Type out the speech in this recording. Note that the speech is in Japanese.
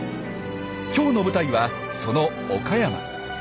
今日の舞台はその岡山。